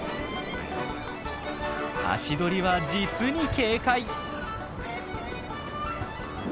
足取りは実に軽快！